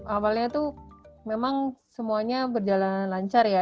awalnya tuh memang semuanya berjalan lancar ya